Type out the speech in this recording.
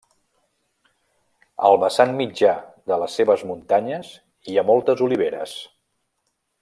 Al vessant mitjà de les seves muntanyes hi ha moltes oliveres.